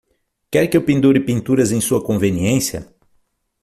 Quer que eu pendure pinturas em sua conveniência.